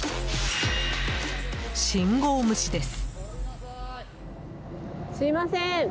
信号無視です。